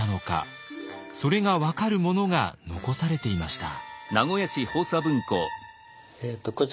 それが分かるものが残されていました。